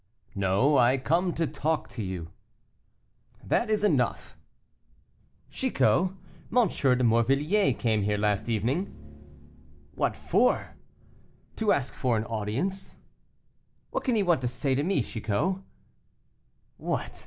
"No; I come to talk to you." "That is not enough." "Chicot, M. de Morvilliers came here last evening." "What for?" "To ask for an audience. What can he want to say to me, Chicot?" "What!